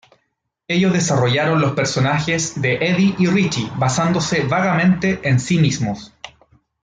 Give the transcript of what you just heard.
Ellos desarrollaron los personajes de Eddie y Richie basándose vagamente en sí mismos.